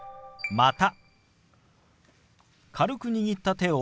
「また」。